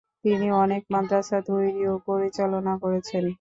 তিনি অনেক মাদ্রাসা তৈরি ও পরিচালনা করেছেন।